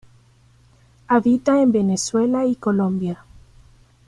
Habita en Venezuela y Colombia.